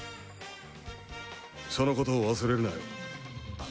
その事を忘れるなよ。